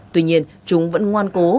tuy nhiên chúng vẫn ngoan cố